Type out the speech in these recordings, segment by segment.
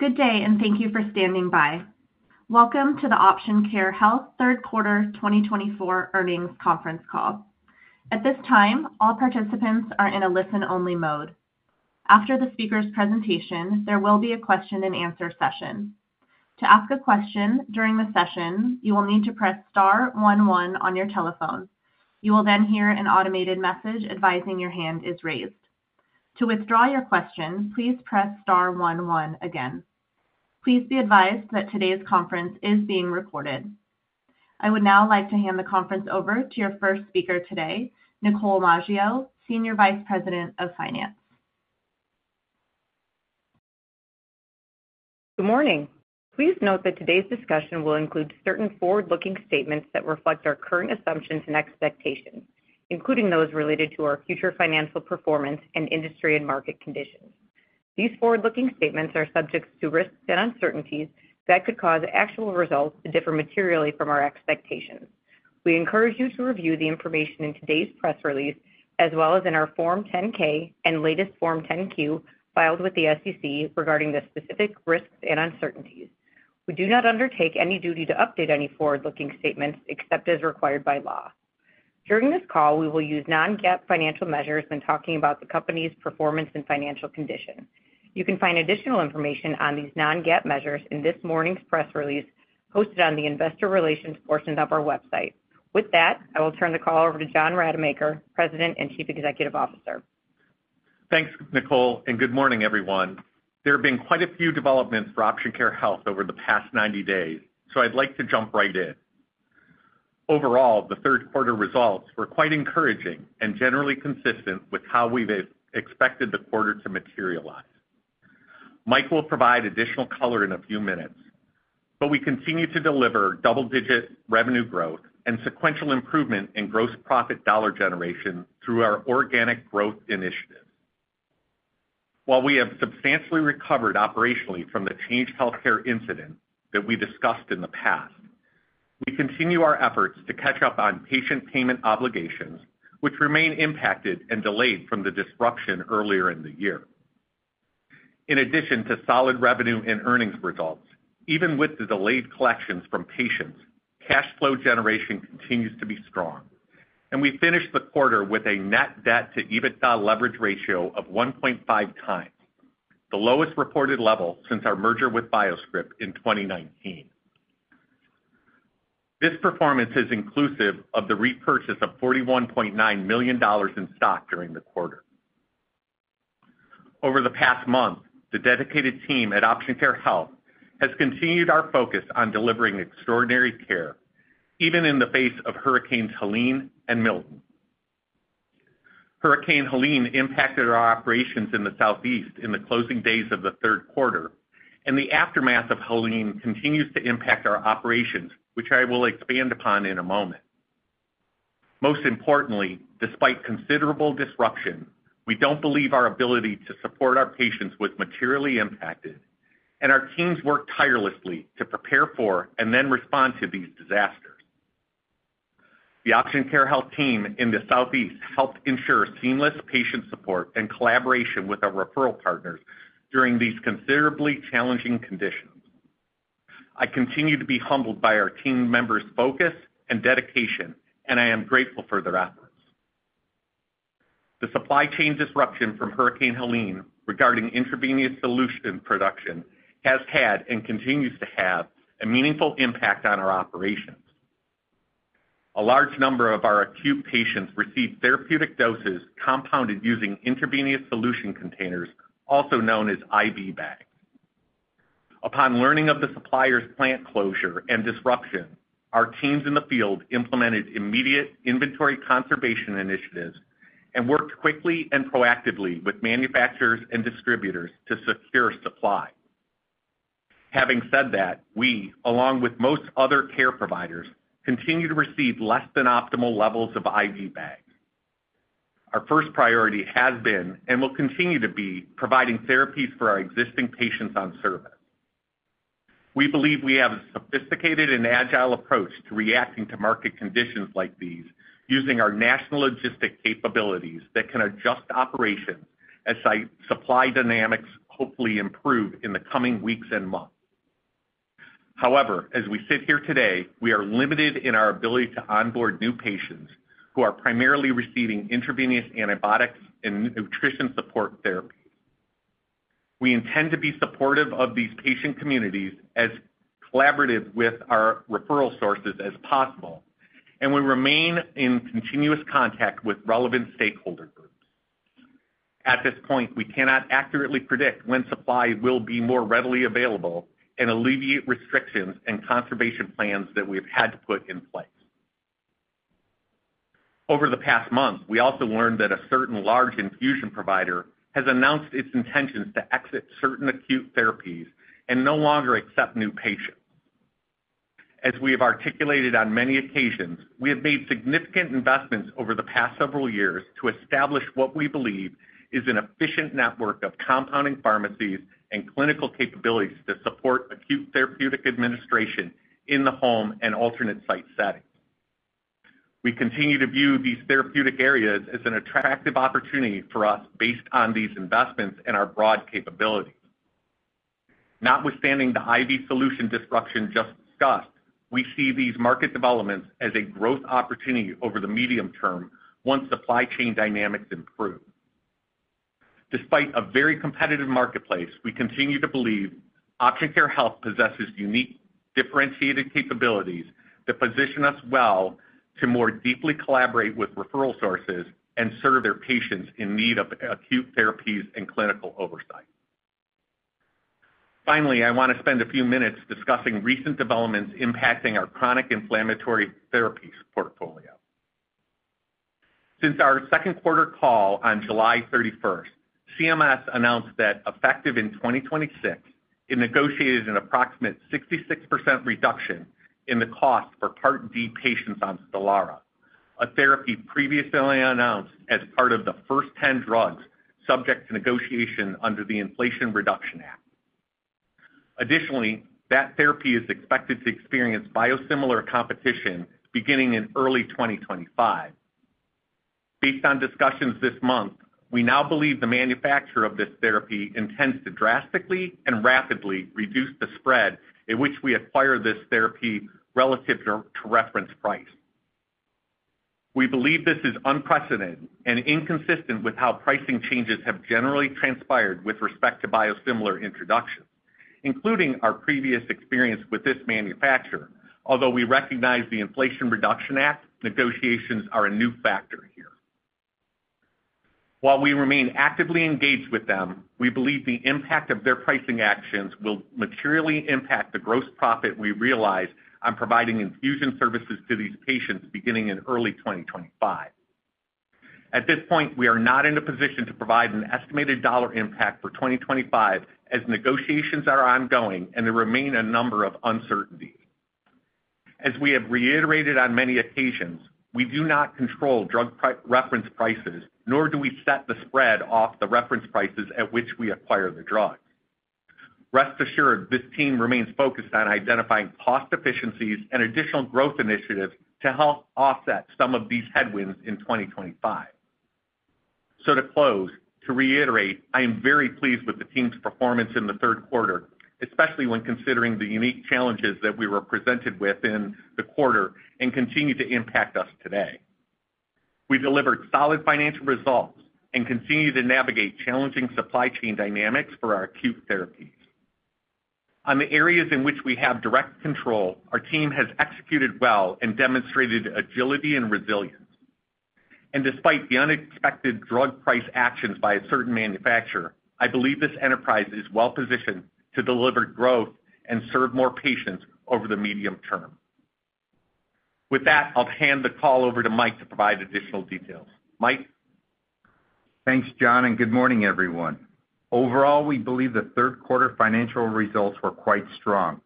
Good day, and thank you for standing by. Welcome to the Option Care Health third quarter 2024 earnings conference call. At this time, all participants are in a listen-only mode. After the speaker's presentation, there will be a question-and-answer session. To ask a question during the session, you will need to press star 11 on your telephone. You will then hear an automated message advising your hand is raised. To withdraw your question, please press star 11 again. Please be advised that today's conference is being recorded. I would now like to hand the conference over to your first speaker today, Nicole Maggio, Senior Vice President of Finance. Good morning. Please note that today's discussion will include certain forward-looking statements that reflect our current assumptions and expectations, including those related to our future financial performance and industry and market conditions. These forward-looking statements are subject to risks and uncertainties that could cause actual results to differ materially from our expectations. We encourage you to review the information in today's press release, as well as in our Form 10-K and latest Form 10-Q filed with the SEC regarding the specific risks and uncertainties. We do not undertake any duty to update any forward-looking statements except as required by law. During this call, we will use non-GAAP financial measures when talking about the company's performance and financial condition. You can find additional information on these non-GAAP measures in this morning's press release posted on the investor relations portion of our website. With that, I will turn the call over to John Rademacher, President and Chief Executive Officer. Thanks, Nicole, and good morning, everyone. There have been quite a few developments for Option Care Health over the past 90 days, so I'd like to jump right in. Overall, the third quarter results were quite encouraging and generally consistent with how we've expected the quarter to materialize. Mike will provide additional color in a few minutes, but we continue to deliver double-digit revenue growth and sequential improvement in gross profit dollar generation through our organic growth initiative. While we have substantially recovered operationally from the Change Healthcare incident that we discussed in the past, we continue our efforts to catch up on patient payment obligations, which remain impacted and delayed from the disruption earlier in the year. In addition to solid revenue and earnings results, even with the delayed collections from patients, cash flow generation continues to be strong, and we finished the quarter with a net debt-to-EBITDA leverage ratio of 1.5 times, the lowest reported level since our merger with BioScrip in 2019. This performance is inclusive of the repurchase of $41.9 million in stock during the quarter. Over the past month, the dedicated team at Option Care Health has continued our focus on delivering extraordinary care, even in the face of Hurricanes Helene and Milton. Hurricane Helene impacted our operations in the Southeast in the closing days of the third quarter, and the aftermath of Helene continues to impact our operations, which I will expand upon in a moment. Most importantly, despite considerable disruption, we don't believe our ability to support our patients was materially impacted, and our teams worked tirelessly to prepare for and then respond to these disasters. The Option Care Health team in the Southeast helped ensure seamless patient support and collaboration with our referral partners during these considerably challenging conditions. I continue to be humbled by our team members' focus and dedication, and I am grateful for their efforts. The supply chain disruption from Hurricane Helene regarding intravenous solution production has had and continues to have a meaningful impact on our operations. A large number of our acute patients received therapeutic doses compounded using intravenous solution containers, also known as IV bags. Upon learning of the supplier's plant closure and disruption, our teams in the field implemented immediate inventory conservation initiatives and worked quickly and proactively with manufacturers and distributors to secure supply. Having said that, we, along with most other care providers, continue to receive less than optimal levels of IV bags. Our first priority has been and will continue to be providing therapies for our existing patients on service. We believe we have a sophisticated and agile approach to reacting to market conditions like these using our national logistic capabilities that can adjust operations as supply dynamics hopefully improve in the coming weeks and months. However, as we sit here today, we are limited in our ability to onboard new patients who are primarily receiving intravenous antibiotics and nutrition support therapies. We intend to be supportive of these patient communities as collaborative with our referral sources as possible, and we remain in continuous contact with relevant stakeholder groups. At this point, we cannot accurately predict when supply will be more readily available and alleviate restrictions and conservation plans that we have had to put in place. Over the past month, we also learned that a certain large infusion provider has announced its intentions to exit certain acute therapies and no longer accept new patients. As we have articulated on many occasions, we have made significant investments over the past several years to establish what we believe is an efficient network of compounding pharmacies and clinical capabilities to support acute therapeutic administration in the home and alternate site settings. We continue to view these therapeutic areas as an attractive opportunity for us based on these investments and our broad capabilities. Notwithstanding the IV solution disruption just discussed, we see these market developments as a growth opportunity over the medium term once supply chain dynamics improve. Despite a very competitive marketplace, we continue to believe Option Care Health possesses unique differentiated capabilities that position us well to more deeply collaborate with referral sources and serve their patients in need of acute therapies and clinical oversight. Finally, I want to spend a few minutes discussing recent developments impacting our chronic inflammatory therapies portfolio. Since our second quarter call on July 31st, CMS announced that, effective in 2026, it negotiated an approximate 66% reduction in the cost for Part D patients on Stelara, a therapy previously announced as part of the first 10 drugs subject to negotiation under the Inflation Reduction Act. Additionally, that therapy is expected to experience biosimilar competition beginning in early 2025. Based on discussions this month, we now believe the manufacturer of this therapy intends to drastically and rapidly reduce the spread in which we acquire this therapy relative to reference price. We believe this is unprecedented and inconsistent with how pricing changes have generally transpired with respect to biosimilar introductions, including our previous experience with this manufacturer, although we recognize the Inflation Reduction Act negotiations are a new factor here. While we remain actively engaged with them, we believe the impact of their pricing actions will materially impact the gross profit we realize on providing infusion services to these patients beginning in early 2025. At this point, we are not in a position to provide an estimated dollar impact for 2025 as negotiations are ongoing and there remain a number of uncertainties. As we have reiterated on many occasions, we do not control drug reference prices, nor do we set the spread off the reference prices at which we acquire the drugs. Rest assured, this team remains focused on identifying cost efficiencies and additional growth initiatives to help offset some of these headwinds in 2025. So to close, to reiterate, I am very pleased with the team's performance in the third quarter, especially when considering the unique challenges that we were presented with in the quarter and continue to impact us today. We delivered solid financial results and continue to navigate challenging supply chain dynamics for our acute therapies. On the areas in which we have direct control, our team has executed well and demonstrated agility and resilience. And despite the unexpected drug price actions by a certain manufacturer, I believe this enterprise is well positioned to deliver growth and serve more patients over the medium term. With that, I'll hand the call over to Mike to provide additional details. Mike. Thanks, John, and good morning, everyone. Overall, we believe the third quarter financial results were quite strong.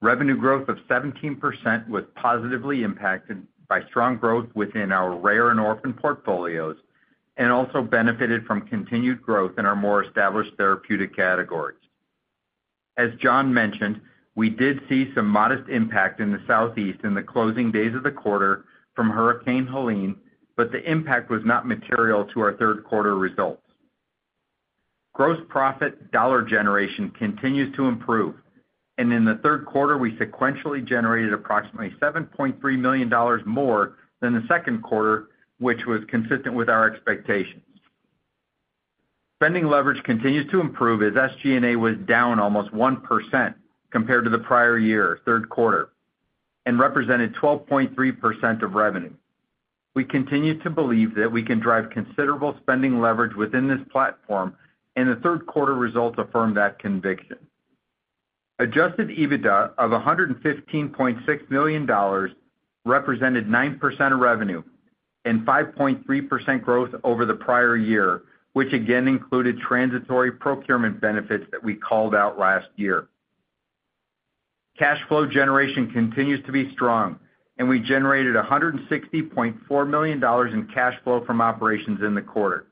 Revenue growth of 17% was positively impacted by strong growth within our rare and orphan portfolios and also benefited from continued growth in our more established therapeutic categories. As John mentioned, we did see some modest impact in the Southeast in the closing days of the quarter from Hurricane Helene, but the impact was not material to our third quarter results. Gross profit dollar generation continues to improve, and in the third quarter, we sequentially generated approximately $7.3 million more than the second quarter, which was consistent with our expectations. Spending leverage continues to improve as SG&A was down almost 1% compared to the prior year third quarter and represented 12.3% of revenue. We continue to believe that we can drive considerable spending leverage within this platform, and the third quarter results affirm that conviction. Adjusted EBITDA of $115.6 million represented 9% of revenue and 5.3% growth over the prior year, which again included transitory procurement benefits that we called out last year. Cash flow generation continues to be strong, and we generated $160.4 million in cash flow from operations in the quarter.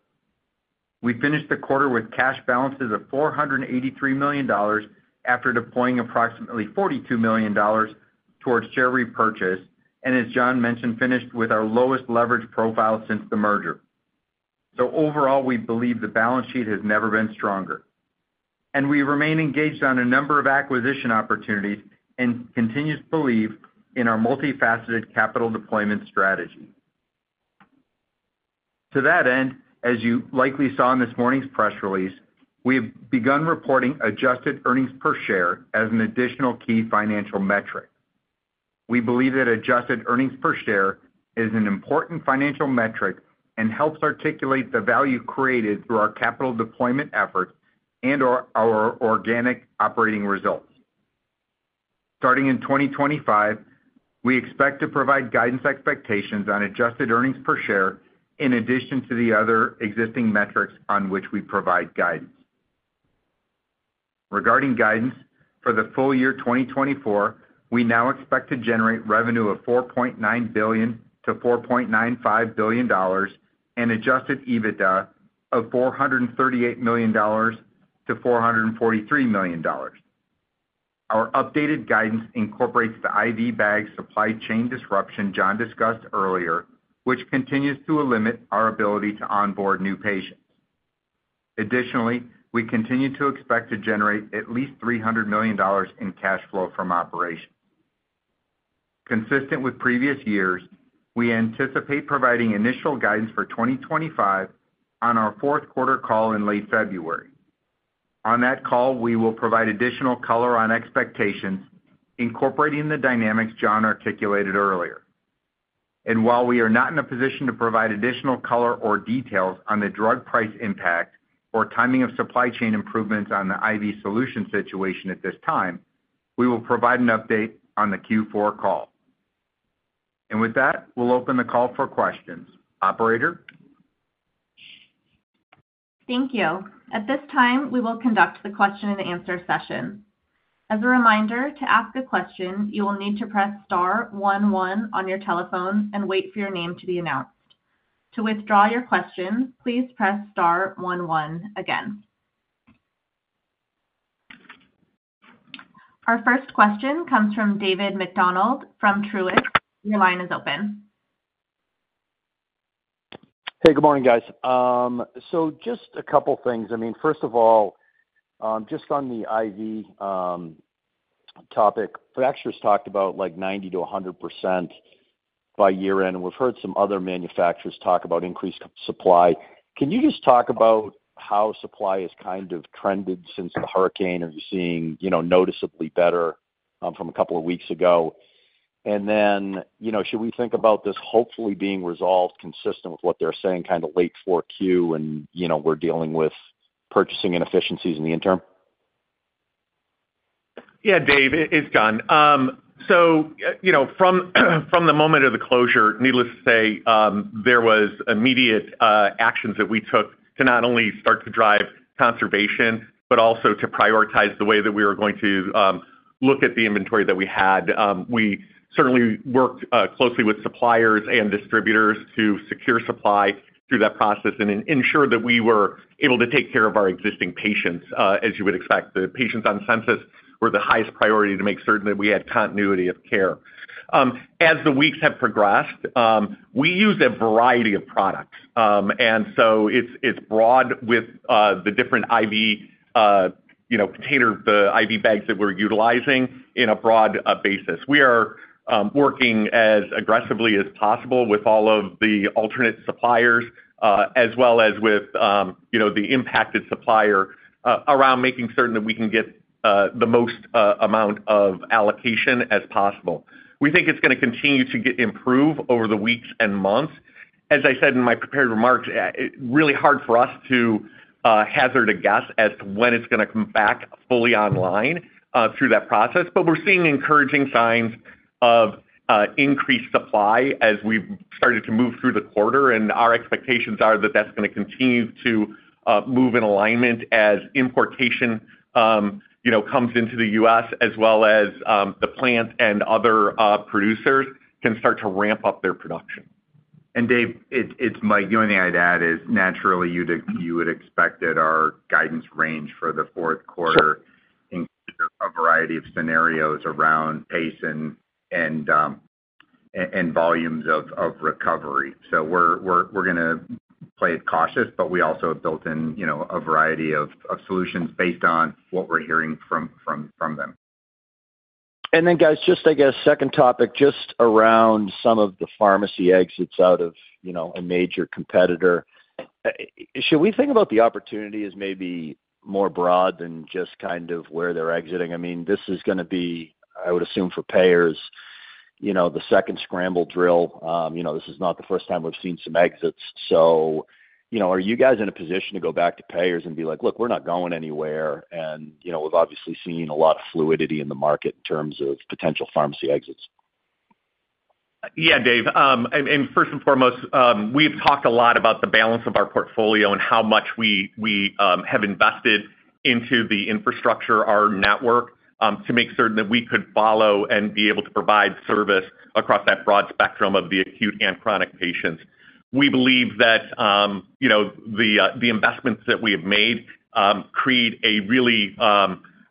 We finished the quarter with cash balances of $483 million after deploying approximately $42 million towards share repurchase, and as John mentioned, finished with our lowest leverage profile since the merger. So overall, we believe the balance sheet has never been stronger. And we remain engaged on a number of acquisition opportunities and continue to believe in our multifaceted capital deployment strategy. To that end, as you likely saw in this morning's press release, we have begun reporting adjusted earnings per share as an additional key financial metric. We believe that adjusted earnings per share is an important financial metric and helps articulate the value created through our capital deployment efforts and/or our organic operating results. Starting in 2025, we expect to provide guidance expectations on adjusted earnings per share in addition to the other existing metrics on which we provide guidance. Regarding guidance for the full year 2024, we now expect to generate revenue of $4.9 billion-$4.95 billion and adjusted EBITDA of $438 million-$443 million. Our updated guidance incorporates the IV bag supply chain disruption John discussed earlier, which continues to limit our ability to onboard new patients. Additionally, we continue to expect to generate at least $300 million in cash flow from operations. Consistent with previous years, we anticipate providing initial guidance for 2025 on our fourth quarter call in late February. On that call, we will provide additional color on expectations incorporating the dynamics John articulated earlier. And while we are not in a position to provide additional color or details on the drug price impact or timing of supply chain improvements on the IV solution situation at this time, we will provide an update on the Q4 call. And with that, we'll open the call for questions. Operator. Thank you. At this time, we will conduct the question-and-answer session. As a reminder, to ask a question, you will need to press star 11 on your telephone and wait for your name to be announced. To withdraw your question, please press star 11 again. Our first question comes from David Macdonald from Truist. Your line is open. Hey, good morning, guys. So just a couple of things. I mean, first of all, just on the IV topic, producers talked about like 90%-100% by year-end. We've heard some other manufacturers talk about increased supply. Can you just talk about how supply has kind of trended since the hurricane? Are you seeing noticeably better from a couple of weeks ago? And then should we think about this hopefully being resolved consistent with what they're saying kind of late Q4 and we're dealing with purchasing inefficiencies in the interim? Yeah, Dave, it's John. So from the moment of the closure, needless to say, there were immediate actions that we took to not only start to drive conservation, but also to prioritize the way that we were going to look at the inventory that we had. We certainly worked closely with suppliers and distributors to secure supply through that process and ensure that we were able to take care of our existing patients, as you would expect. The patients on census were the highest priority to make certain that we had continuity of care. As the weeks have progressed, we use a variety of products. And so it's broad with the different IV containers, the IV bags that we're utilizing in a broad basis. We are working as aggressively as possible with all of the alternate suppliers as well as with the impacted supplier around making certain that we can get the most amount of allocation as possible. We think it's going to continue to improve over the weeks and months. As I said in my prepared remarks, it's really hard for us to hazard a guess as to when it's going to come back fully online through that process. But we're seeing encouraging signs of increased supply as we've started to move through the quarter. And our expectations are that that's going to continue to move in alignment as importation comes into the U.S., as well as the plant and other producers can start to ramp up their production. And Dave, it's my view, the idea that is naturally you would expect that our guidance range for the fourth quarter includes a variety of scenarios around pace and volumes of recovery. So we're going to play it cautious, but we also have built in a variety of solutions based on what we're hearing from them. And then, guys, just I guess second topic just around some of the pharmacy exits out of a major competitor. Should we think about the opportunity as maybe more broad than just kind of where they're exiting? I mean, this is going to be, I would assume for payers, the second scramble drill. This is not the first time we've seen some exits. So are you guys in a position to go back to payers and be like, "Look, we're not going anywhere"? And we've obviously seen a lot of fluidity in the market in terms of potential pharmacy exits. Yeah, Dave. And first and foremost, we've talked a lot about the balance of our portfolio and how much we have invested into the infrastructure, our network, to make certain that we could follow and be able to provide service across that broad spectrum of the acute and chronic patients. We believe that the investments that we have made create a really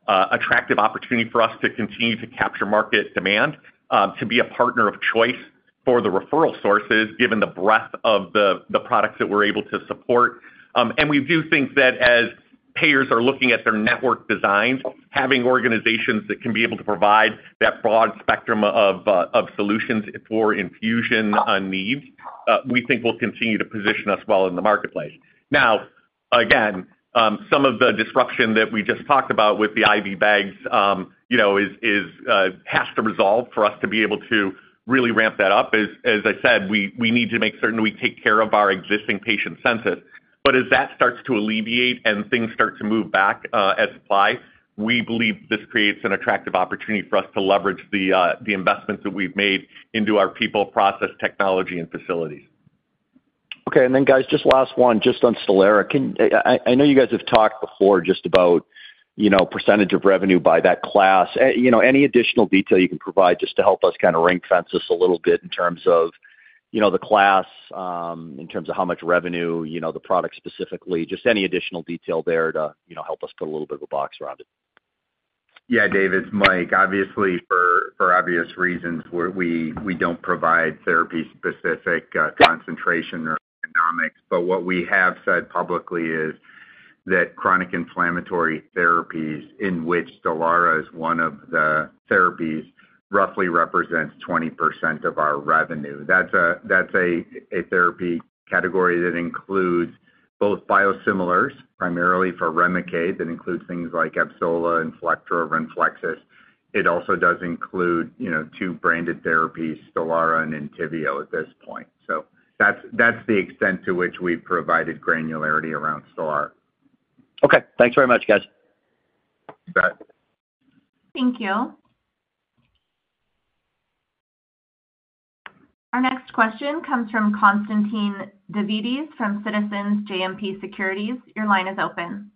attractive opportunity for us to continue to capture market demand, to be a partner of choice for the referral sources given the breadth of the products that we're able to support, and we do think that as payers are looking at their network designs, having organizations that can be able to provide that broad spectrum of solutions for infusion needs, we think we'll continue to position us well in the marketplace. Now, again, some of the disruption that we just talked about with the IV bags has to resolve for us to be able to really ramp that up. As I said, we need to make certain we take care of our existing patient census. But as that starts to alleviate and things start to move back as supply, we believe this creates an attractive opportunity for us to leverage the investments that we've made into our people, process, technology, and facilities. Okay. And then, guys, just last one, just on Stelara. I know you guys have talked before just about percentage of revenue by that class. Any additional detail you can provide just to help us kind of get a sense a little bit in terms of the class, in terms of how much revenue, the product specifically, just any additional detail there to help us put a little bit of a box around it? Yeah, Dave, it's Mike. Obviously, for obvious reasons, we don't provide therapy-specific concentration or economics. But what we have said publicly is that chronic inflammatory therapies in which Stelara is one of the therapies roughly represents 20% of our revenue. That's a therapy category that includes both biosimilars, primarily for Remicade. That includes things like Avsola and Inflectra or Renflexis. It also does include two branded therapies, Stelara and Entyvio at this point. So that's the extent to which we've provided granularity around Stelara. Okay. Thanks very much, guys. Thank you. Thank you. Our next question comes from Constantine Davides from Citizens JMP Securities. Your line is open.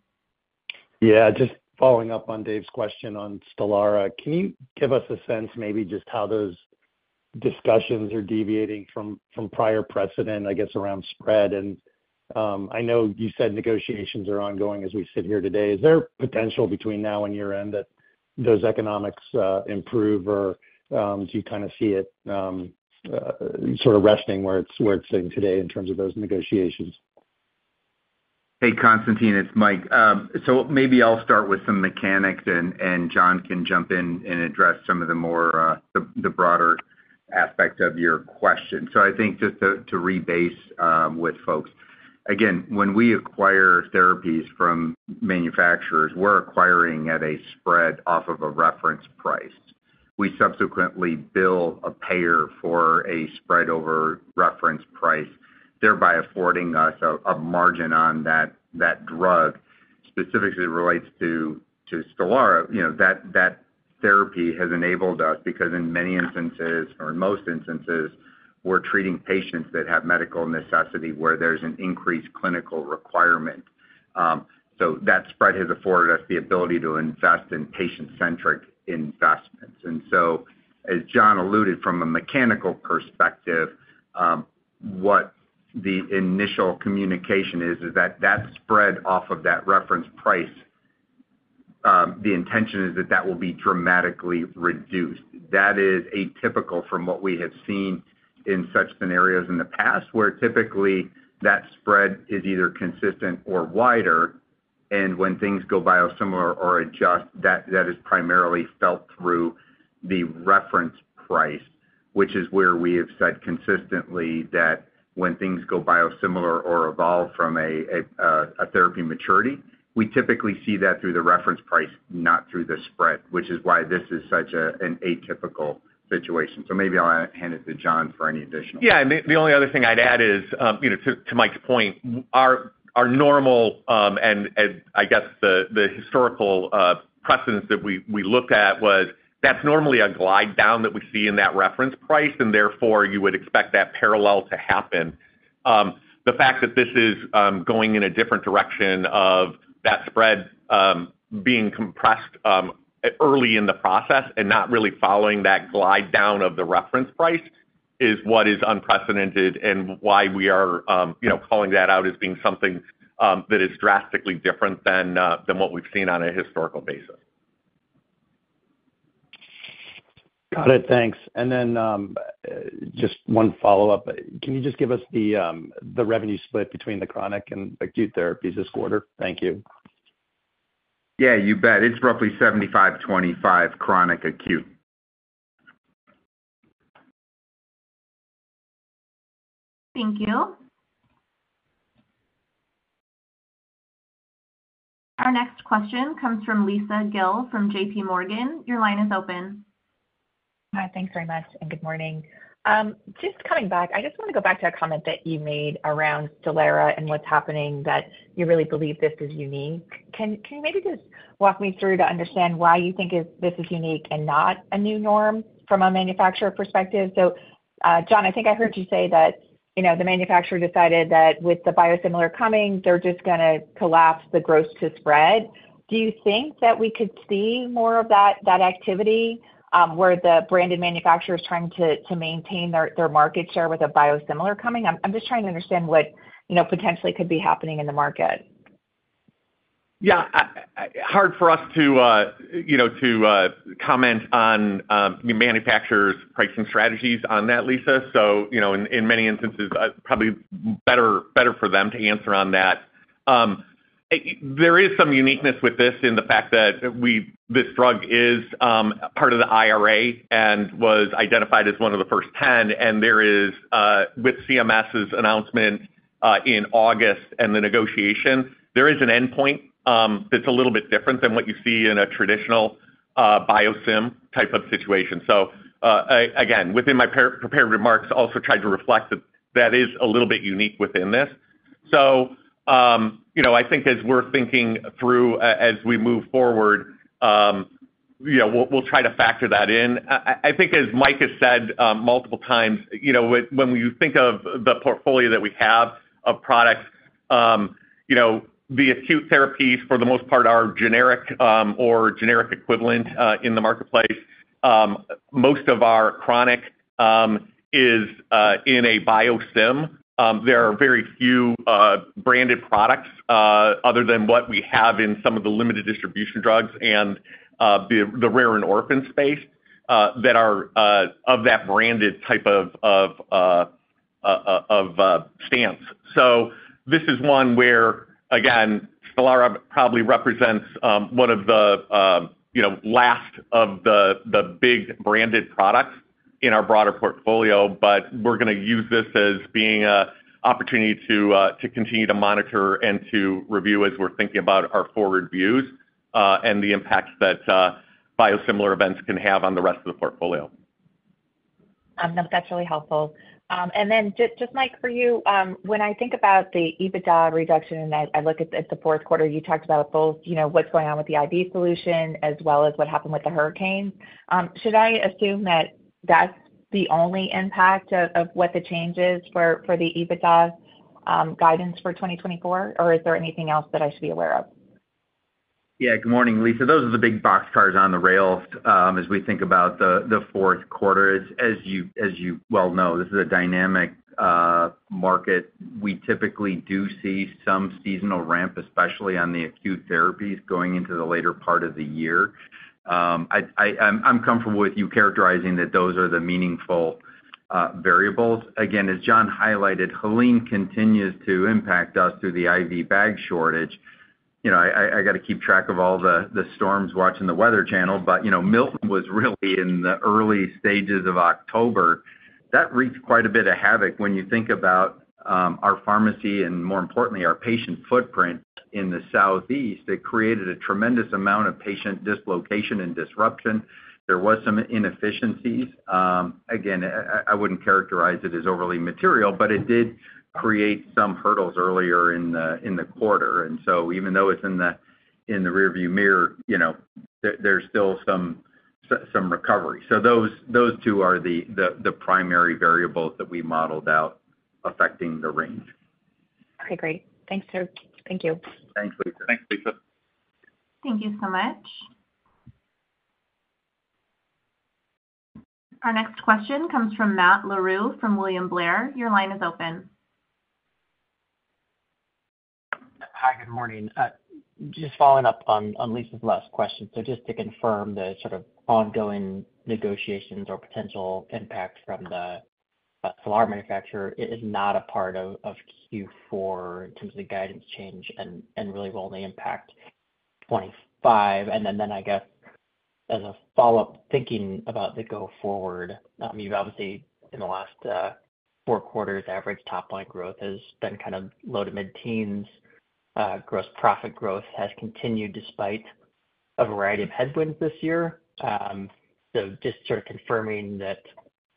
Yeah. Just following up on Dave's question on Stelara, can you give us a sense maybe just how those discussions are deviating from prior precedent, I guess, around spread? And I know you said negotiations are ongoing as we sit here today. Is there potential between now and year-end that those economics improve, or do you kind of see it sort of resting where it's sitting today in terms of those negotiations? Hey, Constantine, it's Mike. So maybe I'll start with some mechanics, and John can jump in and address some of the broader aspects of your question. So I think just to rebase with folks, again, when we acquire therapies from manufacturers, we're acquiring at a spread off of a reference price. We subsequently bill a payer for a spread over reference price, thereby affording us a margin on that drug. Specifically relates to Stelara, that therapy has enabled us because in many instances, or in most instances, we're treating patients that have medical necessity where there's an increased clinical requirement. So that spread has afforded us the ability to invest in patient-centric investments. And so, as John alluded from a mechanical perspective, what the initial communication is, is that that spread off of that reference price, the intention is that that will be dramatically reduced. That is atypical from what we have seen in such scenarios in the past, where typically that spread is either consistent or wider. And when things go biosimilar or adjust, that is primarily felt through the reference price, which is where we have said consistently that when things go biosimilar or evolve from a therapy maturity, we typically see that through the reference price, not through the spread, which is why this is such an atypical situation. So maybe I'll hand it to John for any additional. Yeah. The only other thing I'd add is, to Mike's point, our normal and I guess the historical precedent that we looked at was that's normally a glide down that we see in that reference price, and therefore you would expect that parallel to happen. The fact that this is going in a different direction of that spread being compressed early in the process and not really following that glide down of the reference price is what is unprecedented and why we are calling that out as being something that is drastically different than what we've seen on a historical basis. Got it. Thanks. And then just one follow-up. Can you just give us the revenue split between the chronic and acute therapies this quarter? Thank you. Yeah, you bet. It's roughly 75/25 chronic acute. Thank you. Our next question comes from Lisa Gill from JP Morgan. Your line is open. Hi. Thanks very much. And good morning. Just coming back, I just want to go back to a comment that you made around Stelara and what's happening that you really believe this is unique. Can you maybe just walk me through to understand why you think this is unique and not a new norm from a manufacturer perspective? So John, I think I heard you say that the manufacturer decided that with the biosimilar coming, they're just going to collapse the gross to spread. Do you think that we could see more of that activity where the branded manufacturer is trying to maintain their market share with a biosimilar coming? I'm just trying to understand what potentially could be happening in the market. Yeah. Hard for us to comment on manufacturers' pricing strategies on that, Lisa. So in many instances, probably better for them to answer on that. There is some uniqueness with this in the fact that this drug is part of the IRA and was identified as one of the first 10. And with CMS's announcement in August and the negotiation, there is an endpoint that's a little bit different than what you see in a traditional biosim type of situation. So again, within my prepared remarks, I also tried to reflect that that is a little bit unique within this. So I think as we're thinking through, as we move forward, we'll try to factor that in. I think as Mike has said multiple times, when we think of the portfolio that we have of products, the acute therapies for the most part are generic or generic equivalent in the marketplace. Most of our chronic is in a biosim. There are very few branded products other than what we have in some of the limited distribution drugs and the rare and orphan space that are of that branded type of stance. So this is one where, again, Stelara probably represents one of the last of the big branded products in our broader portfolio, but we're going to use this as being an opportunity to continue to monitor and to review as we're thinking about our forward views and the impact that biosimilar events can have on the rest of the portfolio. No, that's really helpful. And then just, Mike, for you, when I think about the EBITDA reduction and I look at the fourth quarter, you talked about both what's going on with the IV solution as well as what happened with the hurricane. Should I assume that that's the only impact of what the change is for the EBITDA guidance for 2024, or is there anything else that I should be aware of? Yeah. Good morning, Lisa. Those are the big boxcars on the rails as we think about the fourth quarter. As you well know, this is a dynamic market. We typically do see some seasonal ramp, especially on the acute therapies going into the later part of the year. I'm comfortable with you characterizing that those are the meaningful variables. Again, as John highlighted, Helene continues to impact us through the IV bag shortage. I got to keep track of all the storms watching the Weather Channel, but Milton was really in the early stages of October. That wreaked quite a bit of havoc when you think about our pharmacy and, more importantly, our patient footprint in the Southeast. It created a tremendous amount of patient dislocation and disruption. There were some inefficiencies. Again, I wouldn't characterize it as overly material, but it did create some hurdles earlier in the quarter. And so even though it's in the rearview mirror, there's still some recovery. So those two are the primary variables that we modeled out affecting the range. Okay. Great. Thanks, sir. Thank you. Thanks, Lisa. Thanks, Lisa. Thank you so much. Our next question comes from Matt Larew from William Blair. Your line is open. Hi. Good morning. Just following up on Lisa's last question. So just to confirm the sort of ongoing negotiations or potential impact from the Stelara manufacturer is not a part of Q4 in terms of the guidance change and really will only impact 2025. And then I guess as a follow-up, thinking about the go-forward, you've obviously in the last four quarters, average top-line growth has been kind of low to mid-teens. Gross profit growth has continued despite a variety of headwinds this year. So just sort of confirming that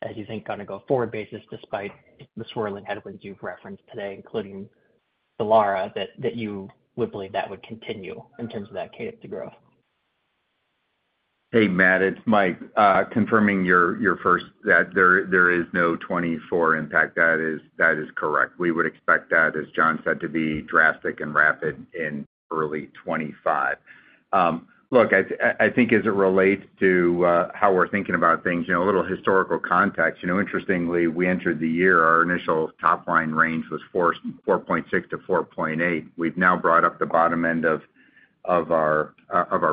as you think on a go-forward basis, despite the swirling headwinds you've referenced today, including Stelara, that you would believe that would continue in terms of that cadence of growth. Hey, Matt. It's Mike. Confirming your first that there is no 2024 impact. That is correct. We would expect that, as John said, to be drastic and rapid in early 2025. Look, I think as it relates to how we're thinking about things, a little historical context. Interestingly, we entered the year, our initial top-line range was 4.6 to 4.8. We've now brought up the bottom end of our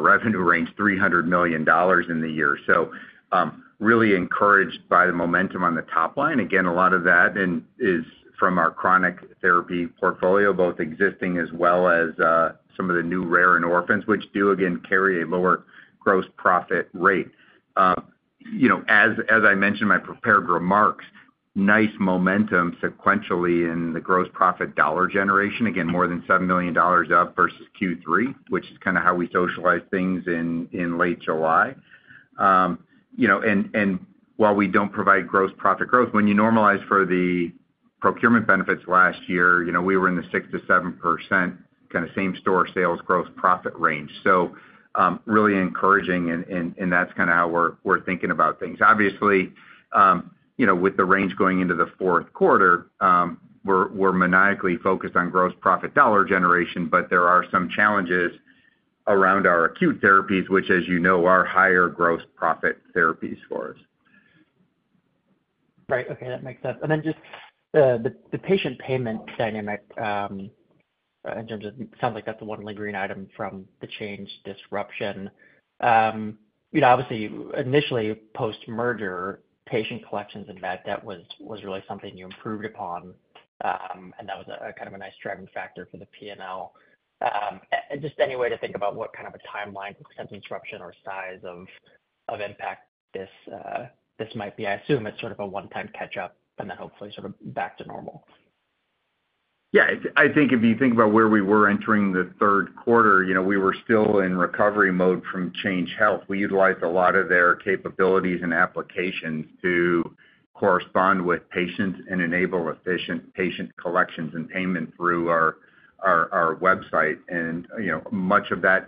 revenue range, $300 million in the year. So really encouraged by the momentum on the top line. Again, a lot of that is from our chronic therapy portfolio, both existing as well as some of the new rare and orphans, which do, again, carry a lower gross profit rate. As I mentioned in my prepared remarks, nice momentum sequentially in the gross profit dollar generation. Again, more than $7 million up versus Q3, which is kind of how we socialize things in late July, and while we don't provide gross profit growth, when you normalize for the procurement benefits last year, we were in the 6%-7% kind of same-store sales gross profit range, so really encouraging, and that's kind of how we're thinking about things. Obviously, with the range going into the fourth quarter, we're maniacally focused on gross profit dollar generation, but there are some challenges around our acute therapies, which, as you know, are higher gross profit therapies for us. Right. Okay. That makes sense. And then just the patient payment dynamic in terms of it sounds like that's the one lingering item from the Change disruption. Obviously, initially, post-merger, patient collections and med debt was really something you improved upon, and that was kind of a nice driving factor for the P&L. Just any way to think about what kind of a timeline for expense disruption or size of impact this might be? I assume it's sort of a one-time catch-up and then hopefully sort of back to normal. Yeah. I think if you think about where we were entering the third quarter, we were still in recovery mode from Change Healthcare. We utilized a lot of their capabilities and applications to correspond with patients and enable efficient patient collections and payment through our website. And much of that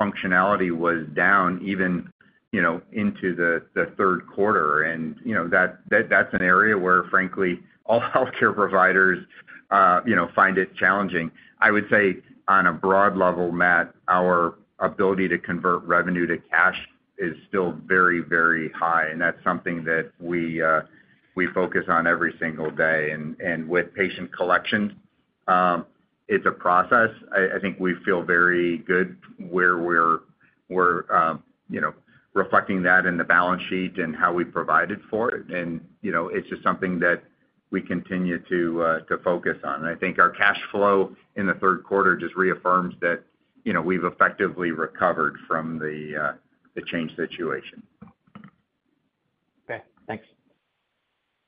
functionality was down even into the third quarter. And that's an area where, frankly, all healthcare providers find it challenging. I would say on a broad level, Matt, our ability to convert revenue to cash is still very, very high. And that's something that we focus on every single day. And with patient collection, it's a process. I think we feel very good where we're reflecting that in the balance sheet and how we provided for it. And it's just something that we continue to focus on. I think our cash flow in the third quarter just reaffirms that we've effectively recovered from the Change situation. Okay. Thanks.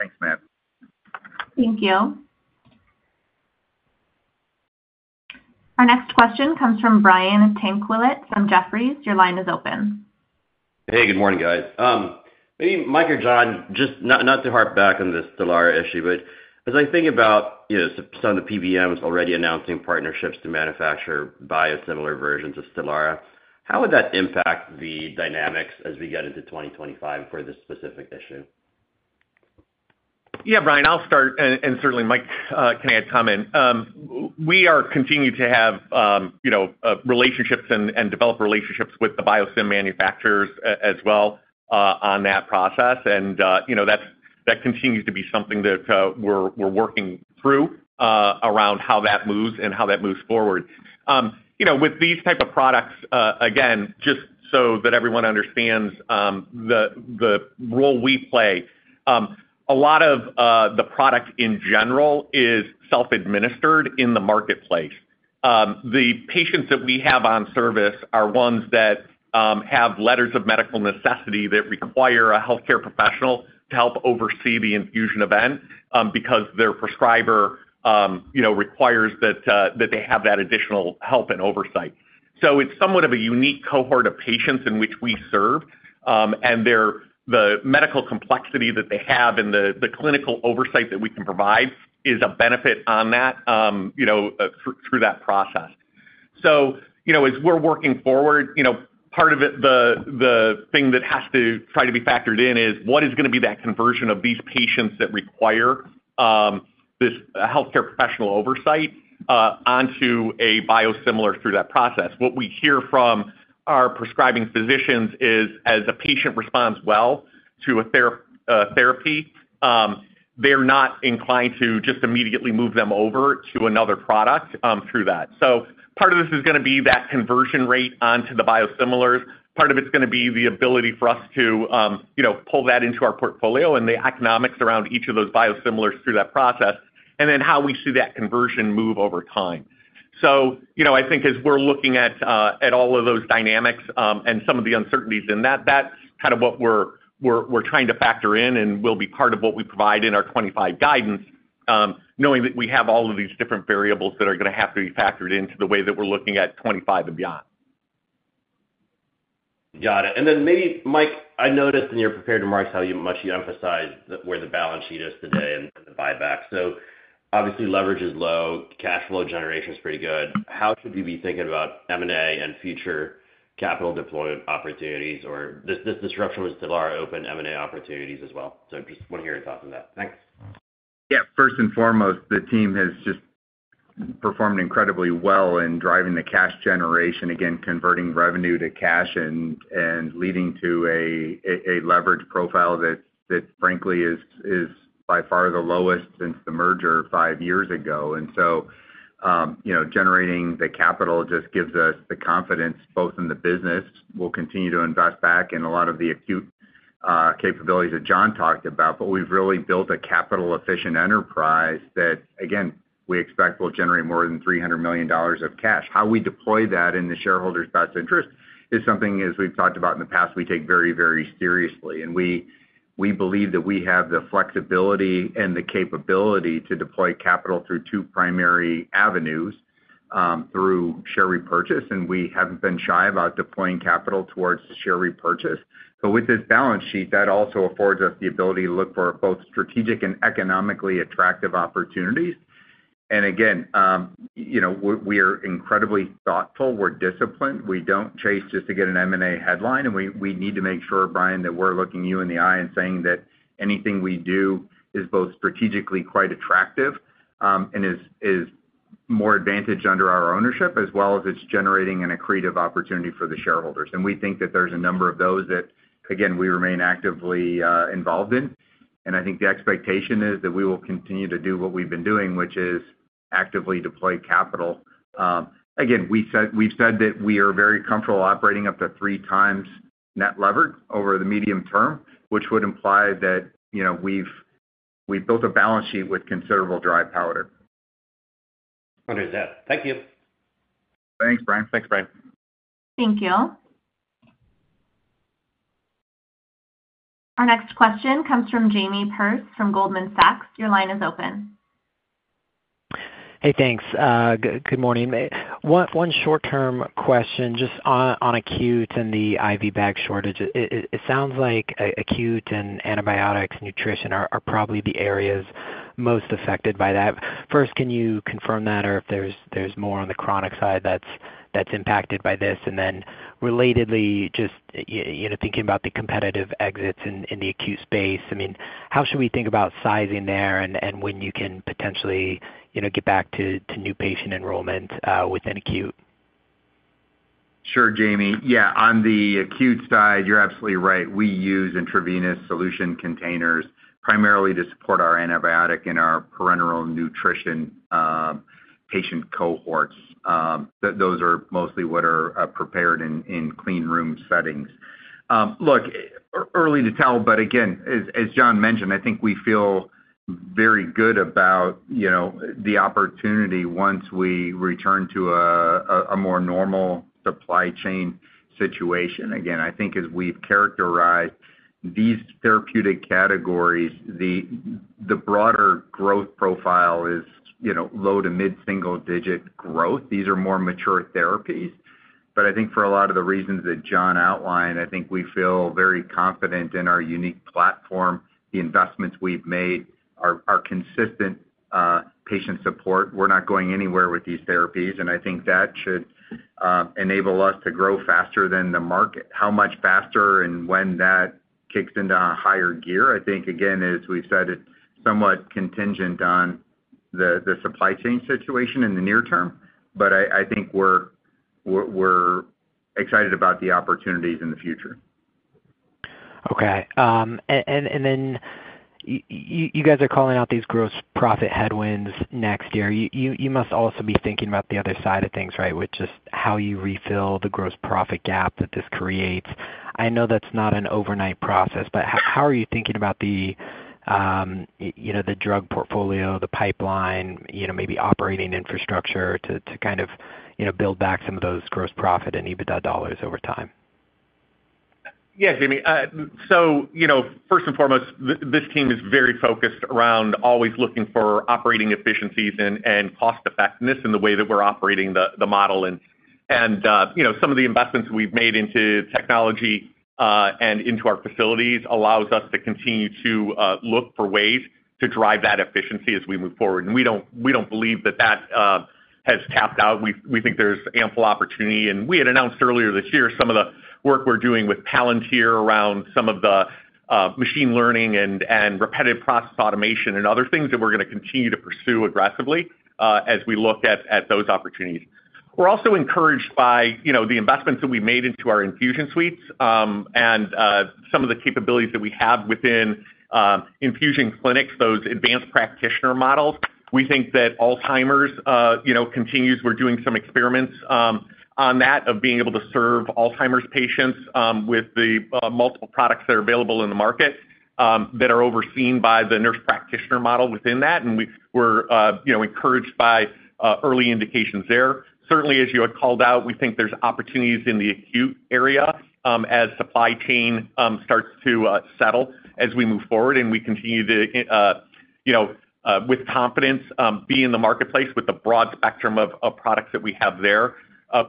Thanks, Matt. Thank you. Our next question comes from Brian Tanquilut from Jefferies. Your line is open. Hey, good morning, guys. Mike or John, just not to harp back on the Stelara issue, but as I think about some of the PBMs already announcing partnerships to manufacture biosimilar versions of Stelara, how would that impact the dynamics as we get into 2025 for this specific issue? Yeah, Brian, I'll start. And certainly, Mike, can I add a comment? We are continuing to have relationships and develop relationships with the biosim manufacturers as well on that process. And that continues to be something that we're working through around how that moves and how that moves forward. With these types of products, again, just so that everyone understands the role we play, a lot of the product in general is self-administered in the marketplace. The patients that we have on service are ones that have letters of medical necessity that require a healthcare professional to help oversee the infusion event because their prescriber requires that they have that additional help and oversight. So it's somewhat of a unique cohort of patients in which we serve. And the medical complexity that they have and the clinical oversight that we can provide is a benefit on that through that process. So as we're working forward, part of the thing that has to try to be factored in is what is going to be that conversion of these patients that require this healthcare professional oversight onto a biosimilar through that process. What we hear from our prescribing physicians is as a patient responds well to a therapy, they're not inclined to just immediately move them over to another product through that. So part of this is going to be that conversion rate onto the biosimilars. Part of it's going to be the ability for us to pull that into our portfolio and the economics around each of those biosimilars through that process, and then how we see that conversion move over time. So I think as we're looking at all of those dynamics and some of the uncertainties in that, that's kind of what we're trying to factor in and will be part of what we provide in our 2025 guidance, knowing that we have all of these different variables that are going to have to be factored into the way that we're looking at 2025 and beyond. Got it. And then maybe, Mike, I noticed in your prepared remarks how much you emphasized where the balance sheet is today and the buyback. So obviously, leverage is low. Cash flow generation is pretty good. How should we be thinking about M&A and future capital deployment opportunities? Or this disruption with Stelara open M&A opportunities as well? So just want to hear your thoughts on that. Thanks. Yeah. First and foremost, the team has just performed incredibly well in driving the cash generation, again, converting revenue to cash and leading to a leverage profile that, frankly, is by far the lowest since the merger five years ago. And so generating the capital just gives us the confidence both in the business. We'll continue to invest back in a lot of the acute capabilities that John talked about, but we've really built a capital-efficient enterprise that, again, we expect will generate more than $300 million of cash. How we deploy that in the shareholders' best interest is something, as we've talked about in the past, we take very, very seriously. And we believe that we have the flexibility and the capability to deploy capital through two primary avenues through share repurchase. And we haven't been shy about deploying capital towards share repurchase. But with this balance sheet, that also affords us the ability to look for both strategic and economically attractive opportunities. And again, we are incredibly thoughtful. We're disciplined. We don't chase just to get an M&A headline. We need to make sure, Brian, that we're looking you in the eye and saying that anything we do is both strategically quite attractive and is more advantage under our ownership, as well as it's generating an accretive opportunity for the shareholders. We think that there's a number of those that, again, we remain actively involved in. I think the expectation is that we will continue to do what we've been doing, which is actively deploy capital. We've said that we are very comfortable operating up to three times net leverage over the medium term, which would imply that we've built a balance sheet with considerable dry powder under that. Thank you. Thanks, Brian. Thanks, Brian. Thank you. Our next question comes from Jamie Perse from Goldman Sachs. Your line is open. Hey, thanks. Good morning. One short-term question just on acute and the IV bag shortage. It sounds like acute and antibiotics nutrition are probably the areas most affected by that. First, can you confirm that? Or if there's more on the chronic side that's impacted by this, and then relatedly, just thinking about the competitive exits in the acute space, I mean, how should we think about sizing there and when you can potentially get back to new patient enrollment within acute? Sure, Jamie. Yeah. On the acute side, you're absolutely right. We use intravenous solution containers primarily to support our antibiotic and our parenteral nutrition patient cohorts. Those are mostly what are prepared in clean room settings. Look, early to tell, but again, as John mentioned, I think we feel very good about the opportunity once we return to a more normal supply chain situation. Again, I think as we've characterized these therapeutic categories, the broader growth profile is low to mid-single-digit growth. These are more mature therapies. But I think for a lot of the reasons that John outlined, I think we feel very confident in our unique platform. The investments we've made are consistent patient support. We're not going anywhere with these therapies. And I think that should enable us to grow faster than the market. How much faster and when that kicks into a higher gear? I think, again, as we've said, it's somewhat contingent on the supply chain situation in the near term. But I think we're excited about the opportunities in the future. Okay. And then you guys are calling out these gross profit headwinds next year. You must also be thinking about the other side of things, right, which is how you refill the gross profit gap that this creates. I know that's not an overnight process, but how are you thinking about the drug portfolio, the pipeline, maybe operating infrastructure to kind of build back some of those gross profit and EBITDA dollars over time? Yeah, Jamie, so first and foremost, this team is very focused around always looking for operating efficiencies and cost-effectiveness in the way that we're operating the model, and some of the investments we've made into technology and into our facilities allows us to continue to look for ways to drive that efficiency as we move forward, and we don't believe that that has tapped out. We think there's ample opportunity, and we had announced earlier this year some of the work we're doing with Palantir around some of the machine learning and repetitive process automation and other things that we're going to continue to pursue aggressively as we look at those opportunities. We're also encouraged by the investments that we made into our infusion suites and some of the capabilities that we have within infusion clinics, those advanced practitioner models. We think that allows us continues. We're doing some experiments on that of being able to serve Alzheimer's patients with the multiple products that are available in the market that are overseen by the nurse practitioner model within that. And we're encouraged by early indications there. Certainly, as you had called out, we think there's opportunities in the acute area as supply chain starts to settle as we move forward. And we continue to, with confidence, be in the marketplace with the broad spectrum of products that we have there.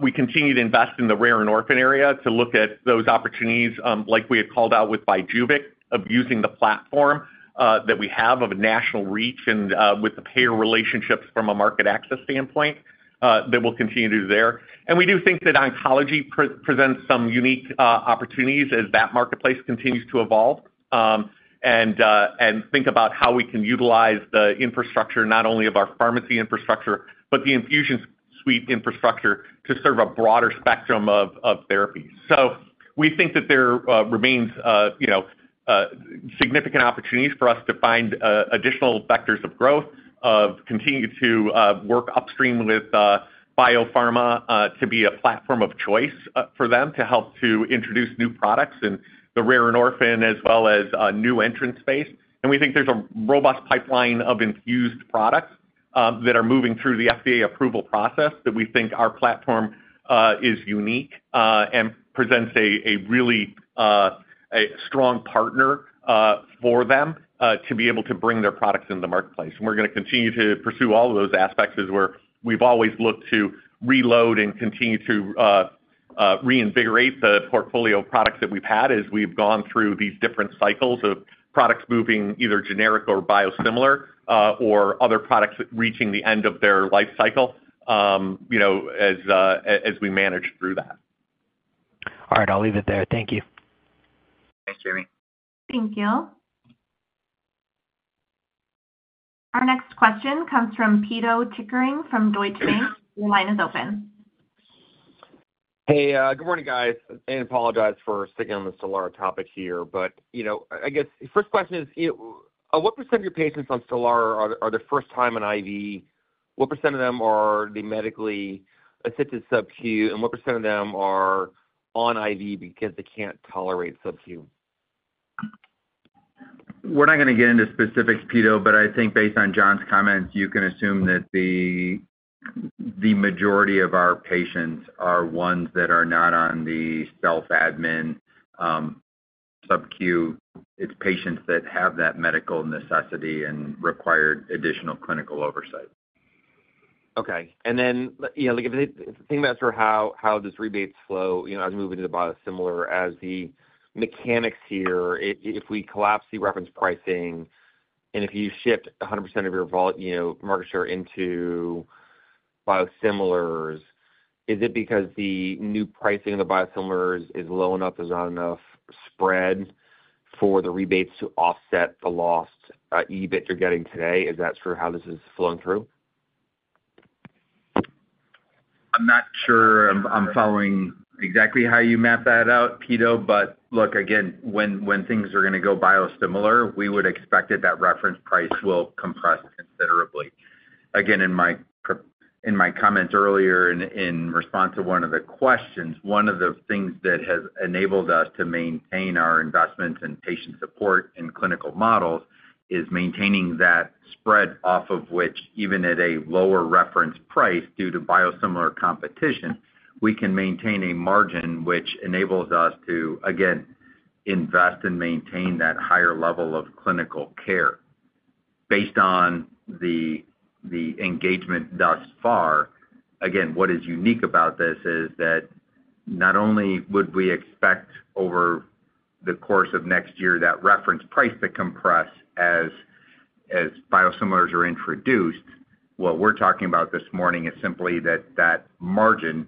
We continue to invest in the rare and orphan area to look at those opportunities, like we had called out with Vyjuvek, of using the platform that we have of national reach and with the payer relationships from a market access standpoint that we'll continue to do there. And we do think that oncology presents some unique opportunities as that marketplace continues to evolve and think about how we can utilize the infrastructure, not only of our pharmacy infrastructure, but the infusion suite infrastructure to serve a broader spectrum of therapies. So we think that there remains significant opportunities for us to find additional vectors of growth, continue to work upstream with biopharma to be a platform of choice for them to help to introduce new products in the rare and orphan as well as new entrance space. And we think there's a robust pipeline of infused products that are moving through the FDA approval process that we think our platform is unique and presents a really strong partner for them to be able to bring their products into the marketplace. And we're going to continue to pursue all of those aspects as where we've always looked to reload and continue to reinvigorate the portfolio of products that we've had as we've gone through these different cycles of products moving either generic or biosimilar or other products reaching the end of their life cycle as we manage through that. All right. I'll leave it there. Thank you. Thanks, Jamie. Thank you. Our next question comes from Pito Chickering from Deutsche Bank. Your line is open. Hey, good morning, guys. And I apologize for sticking on the Stelara topic here. But I guess the first question is, what percent of your patients on Stelara are the first time in IV? What percent of them are the medically assisted subcu? And what percent of them are on IV because they can't tolerate subcu? We're not going to get into specifics, Pito, but I think based on John's comments, you can assume that the majority of our patients are ones that are not on the self-admin subcu. It's patients that have that medical necessity and require additional clinical oversight. Okay. And then if we think about sort of how this rebates flow as we move into the biosimilar as the mechanics here, if we collapse the reference pricing and if you shift 100% of your market share into biosimilars, is it because the new pricing of the biosimilars is low enough? There's not enough spread for the rebates to offset the lost EBIT you're getting today? Is that sort of how this is flowing through? I'm not sure I'm following exactly how you map that out, Pito. But look, again, when things are going to go biosimilar, we would expect that that reference price will compress considerably. Again, in my comments earlier in response to one of the questions, one of the things that has enabled us to maintain our investments in patient support and clinical models is maintaining that spread off of which, even at a lower reference price due to biosimilar competition, we can maintain a margin which enables us to, again, invest and maintain that higher level of clinical care based on the engagement thus far. Again, what is unique about this is that not only would we expect over the course of next year that reference price to compress as biosimilars are introduced, what we're talking about this morning is simply that that margin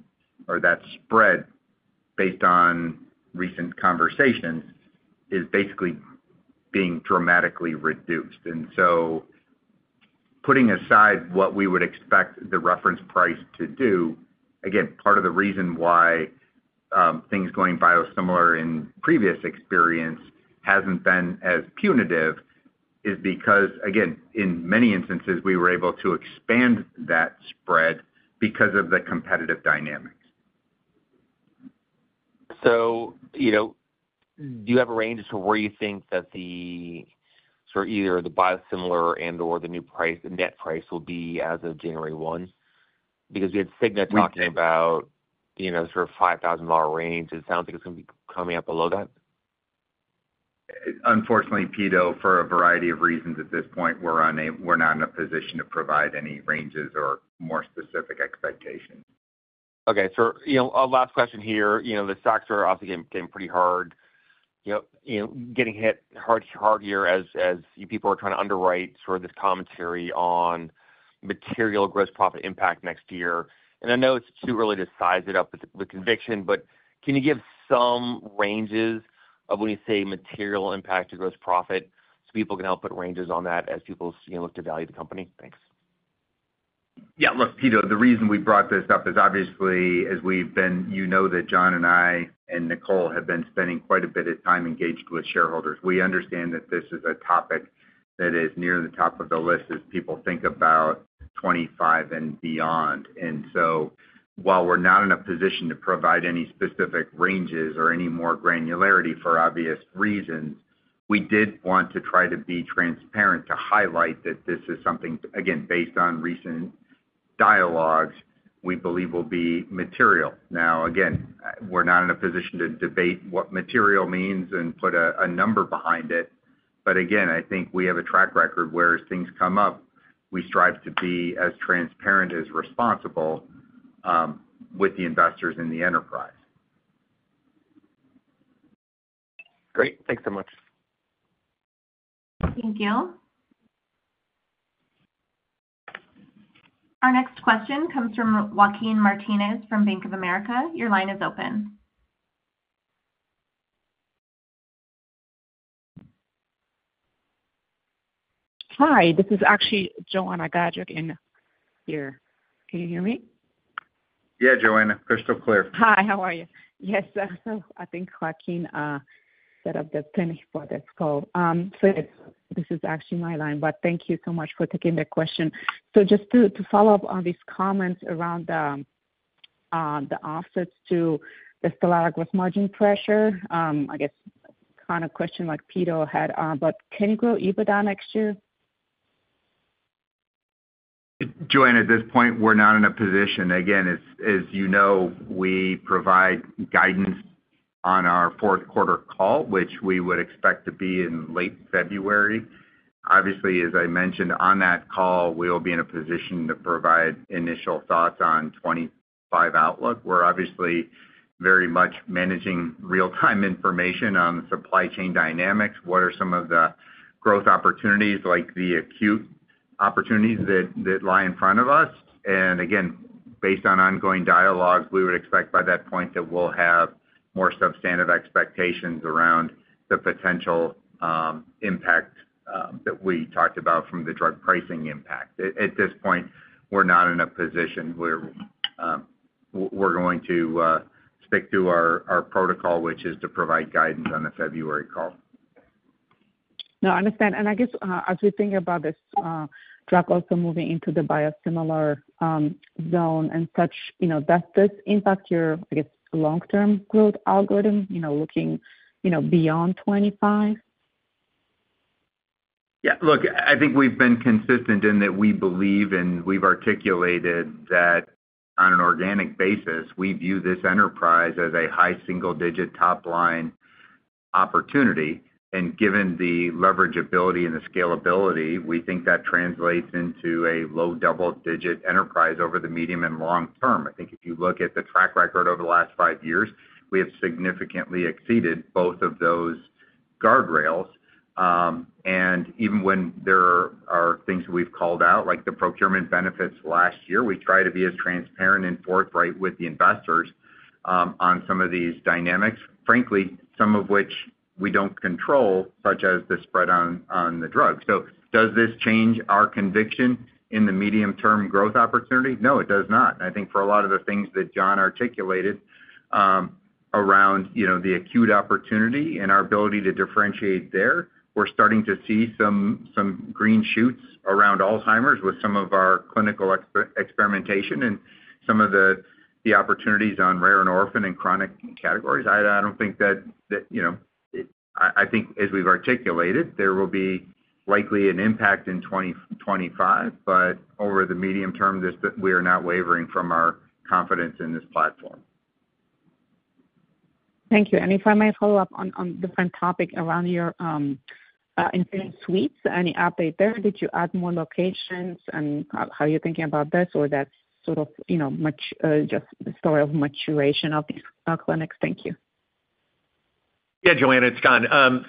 or that spread based on recent conversations is basically being dramatically reduced, and so putting aside what we would expect the reference price to do, again, part of the reason why things going biosimilar in previous experience hasn't been as punitive is because, again, in many instances, we were able to expand that spread because of the competitive dynamics. So do you have a range as to where you think that either the biosimilar and/or the new price, the net price, will be as of January 1? Because we had Cigna talking about sort of $5,000 range. It sounds like it's going to be coming up below that. Unfortunately, Pito, for a variety of reasons at this point, we're not in a position to provide any ranges or more specific expectations. Okay. So last question here. The stock is obviously getting hit hard here as people are trying to underwrite sort of this commentary on material gross profit impact next year. And I know it's too early to size it up with conviction, but can you give some ranges of when you say material impact to gross profit so people can help put ranges on that as people look to value the company? Thanks. Yeah. Look, Pito, the reason we brought this up is obviously as we've been you know that John and I and Nicole have been spending quite a bit of time engaged with shareholders. We understand that this is a topic that is near the top of the list as people think about 2025 and beyond. And so while we're not in a position to provide any specific ranges or any more granularity for obvious reasons, we did want to try to be transparent to highlight that this is something, again, based on recent dialogues, we believe will be material. Now, again, we're not in a position to debate what material means and put a number behind it. But again, I think we have a track record where as things come up, we strive to be as transparent and responsible with the investors in the enterprise. Great. Thanks so much. Thank you. Our next question comes from Joaquin Martinez from Bank of America. Your line is open. Hi. This is actually Joanna Gajuk in here. Can you hear me? Yeah, Joanna. Crystal clear. Hi. How are you? Yes, so I think Joaquin set up the line for this call, so this is actually my line, but thank you so much for taking the question, so just to follow up on these comments around the offsets to the Stelara gross margin pressure. I guess kind of question like Pito had, but can you grow EBITDA next year? Joanna, at this point, we're not in a position. Again, as you know, we provide guidance on our fourth quarter call, which we would expect to be in late February. Obviously, as I mentioned on that call, we'll be in a position to provide initial thoughts on '25 outlook. We're obviously very much managing real-time information on supply chain dynamics. What are some of the growth opportunities, like the acute opportunities that lie in front of us? And again, based on ongoing dialogues, we would expect by that point that we'll have more substantive expectations around the potential impact that we talked about from the drug pricing impact. At this point, we're not in a position where we're going to stick to our protocol, which is to provide guidance on the February call. No, I understand. And I guess as we think about this drug also moving into the biosimilar zone and such, does this impact your, I guess, long-term growth algorithm looking beyond 2025? Yeah. Look, I think we've been consistent in that we believe and we've articulated that on an organic basis, we view this enterprise as a high single-digit top-line opportunity. And given the leverageability and the scalability, we think that translates into a low double-digit enterprise over the medium and long term. I think if you look at the track record over the last five years, we have significantly exceeded both of those guardrails. And even when there are things we've called out, like the procurement benefits last year, we try to be as transparent and forthright with the investors on some of these dynamics, frankly, some of which we don't control, such as the spread on the drug. So does this change our conviction in the medium-term growth opportunity? No, it does not. I think for a lot of the things that John articulated around the acute opportunity and our ability to differentiate there, we're starting to see some green shoots around Alzheimer's with some of our clinical experimentation and some of the opportunities on rare and orphan and chronic categories. I don't think that as we've articulated, there will be likely an impact in 2025, but over the medium term, we are not wavering from our confidence in this platform. Thank you. And if I may follow up on a different topic around your infusion suites, any update there? Did you add more locations? And how are you thinking about this or that sort of just the story of maturation of these clinics? Thank you. Yeah, Joanna, it's John.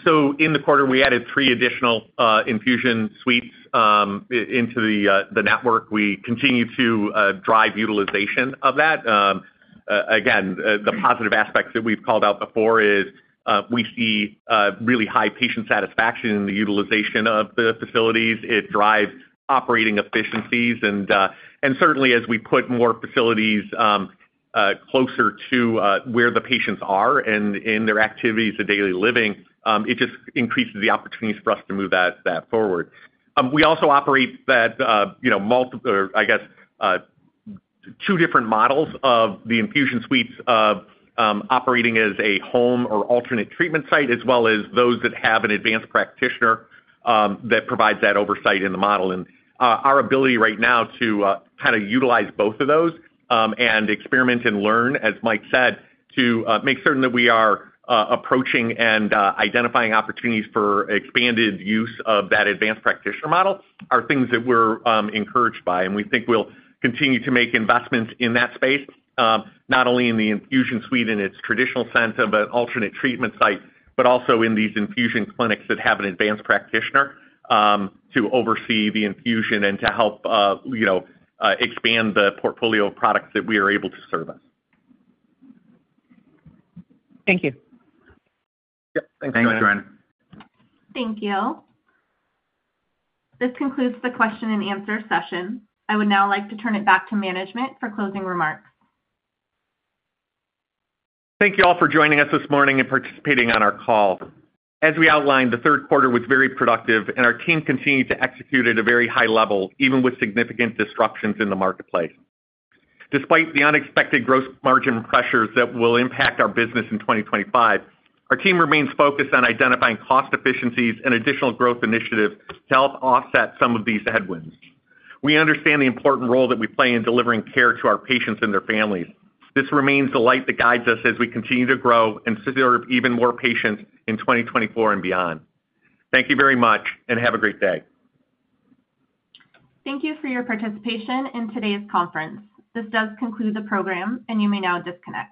So in the quarter, we added three additional infusion suites into the network. We continue to drive utilization of that. Again, the positive aspects that we've called out before is we see really high patient satisfaction in the utilization of the facilities. It drives operating efficiencies. And certainly, as we put more facilities closer to where the patients are and in their activities of daily living, it just increases the opportunities for us to move that forward. We also operate that, I guess, two different models of the infusion suites of operating as a home or alternate treatment site, as well as those that have an advanced practitioner that provides that oversight in the model. Our ability right now to kind of utilize both of those and experiment and learn, as Mike said, to make certain that we are approaching and identifying opportunities for expanded use of that advanced practitioner model are things that we're encouraged by. We think we'll continue to make investments in that space, not only in the infusion suite in its traditional sense of an alternate treatment site, but also in these infusion clinics that have an advanced practitioner to oversee the infusion and to help expand the portfolio of products that we are able to service. Thank you. Yep. Thanks, Joanna. Thank you. This concludes the question and answer session. I would now like to turn it back to management for closing remarks. Thank you all for joining us this morning and participating on our call. As we outlined, the third quarter was very productive, and our team continued to execute at a very high level, even with significant disruptions in the marketplace. Despite the unexpected gross margin pressures that will impact our business in 2025, our team remains focused on identifying cost efficiencies and additional growth initiatives to help offset some of these headwinds. We understand the important role that we play in delivering care to our patients and their families. This remains the light that guides us as we continue to grow and serve even more patients in 2024 and beyond. Thank you very much, and have a great day. Thank you for your participation in today's conference. This does conclude the program, and you may now disconnect.